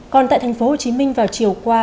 còn tại tp hcm vào chiều qua